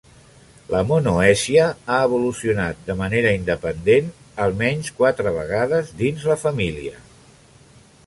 La monoècia ha evolucionar de manera independent almenys quatre vegades dins la família.